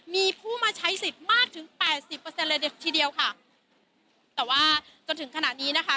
มีผู้มาใช้สิทธิ์มากถึงแปดสิบเปอร์เซ็นเลยทีเดียวค่ะแต่ว่าจนถึงขณะนี้นะคะ